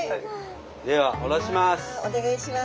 ではおろします！